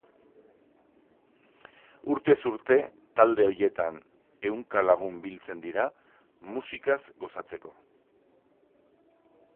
Urtez urte, talde horietan ehunka lagun biltzen dira musikaz gozatzeko.